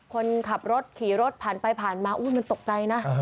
คนขับรถขี่รถผ่านไปผ่านมามันตกใจนะ